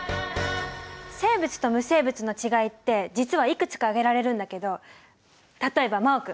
生物と無生物のちがいって実はいくつか挙げられるんだけど例えば真旺君。